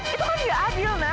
itu kan nggak adil na